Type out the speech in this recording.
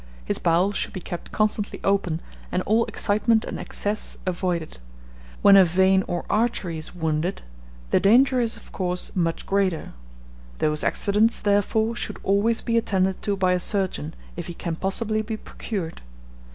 His bowels should be kept constantly open, and all excitement and excess avoided. When a vein or artery is wounded, the danger is, of course, much greater. Those accidents, therefore, should always be attended to by a surgeon, if he can possibly be procured.